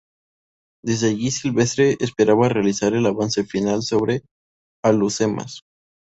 Desde allí Silvestre esperaba realizar el avance final sobre Alhucemas.